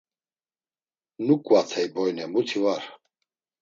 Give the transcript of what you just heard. Nuǩvatey boyne muti var.